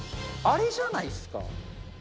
あれじゃないですか？